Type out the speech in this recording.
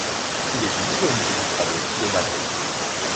Il est visible au Musée du Prado de Madrid.